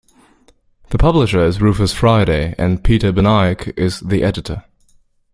The publisher is Rufus Friday, and Peter Baniak is the editor.